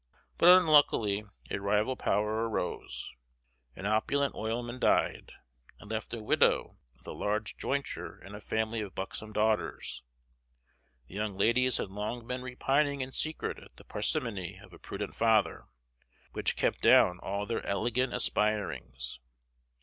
But unluckily a rival power arose. An opulent oilman died, and left a widow with a large jointure and a family of buxom daughters. The young ladies had long been repining in secret at the parsimony of a prudent father, which kept down all their elegant aspirings.